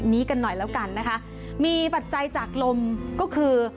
นี้กันหน่อยแล้วกันนะคะมีปัจจัยจากลมก็คือ